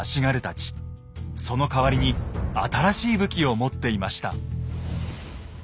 そのかわりに新しい武器を持っていました。